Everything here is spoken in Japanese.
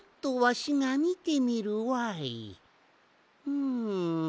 うん。